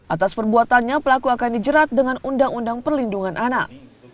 atas perbuatannya pelaku akan dijerat dengan undang undang perlindungan anak